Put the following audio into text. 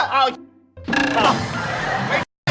เห้ยแอ้วนะ